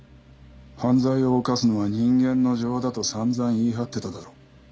犯罪を犯すのは人間の情だと散々言い張ってただろ。